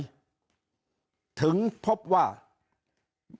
ยิ่งอาจจะมีคนเกณฑ์ไปลงเลือกตั้งล่วงหน้ากันเยอะไปหมดแบบนี้